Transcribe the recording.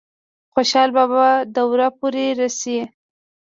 خوشحال بابا دور پورې رسي ۔